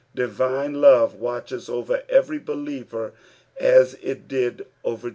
Divine love watches over every believer as it did over .